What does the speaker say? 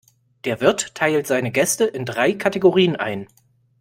Der Wirt teilt seine Gäste in drei Kategorien ein.